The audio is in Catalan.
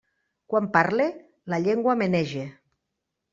Quan parle, la llengua menege.